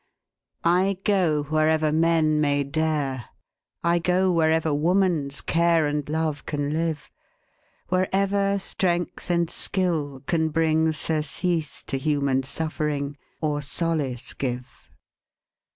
I go wherever men may dare, I go wherever woman's care And love can live, Wherever strength and skill can bring Surcease to human suffering, Or solace give.